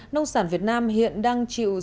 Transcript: nông sản việt nam hiện đang chịu khó khăn